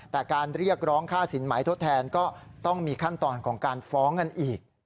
แต่การเรียกร้องค่าสินหมายทดแทนก็ต้องมีขั้นตอนของการฟ้องกันอีก